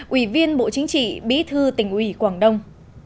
ủy viên bộ chính trị bí thư tỉnh ủy quảng đông